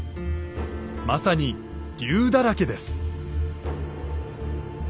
まさに龍だらけです。